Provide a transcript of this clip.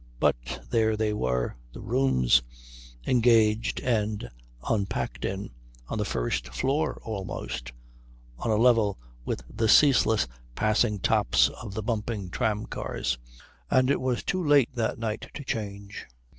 But there they were, the rooms, engaged and unpacked in, on the first floor almost, on a level with the ceaseless passing tops of the bumping tramcars, and it was too late that night to change.